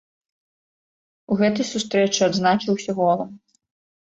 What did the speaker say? У гэтай сустрэчы адзначыўся голам.